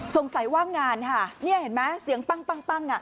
สงสัยว่างานฮะเนี่ยเห็นไหมเสียงปั้งปั้งปั้งอ่ะ